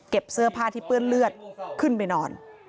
เสื้อผ้าที่เปื้อนเลือดขึ้นไปนอน